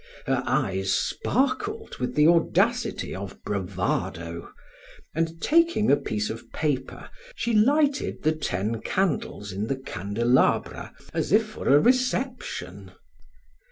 Her eyes sparkled with the audacity of bravado, and taking a piece of paper she lighted the ten candles in the candelabra as if for a reception.